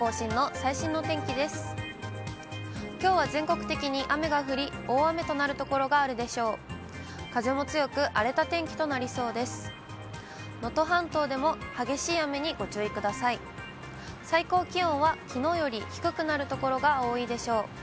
最高気温はきのうより低くなる所が多いでしょう。